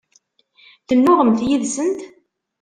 Tennuɣemt yid-sent?